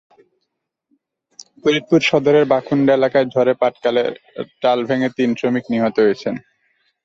ফরিদপুর সদরের বাখুন্ডা এলাকায় ঝড়ে পাটকলের চাল ভেঙে তিন শ্রমিক নিহত হয়েছেন।